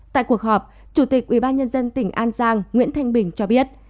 tại cuộc họp chủ tịch ubnd tỉnh an giang nguyễn thanh bình cho biết